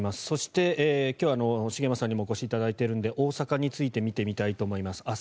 そして、今日、茂松さんにもお越しいただいているので大阪について見てみたいと思います。